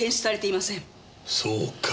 そうか。